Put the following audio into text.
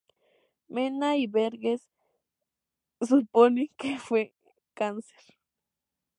Mena y Verges suponen que fue cáncer.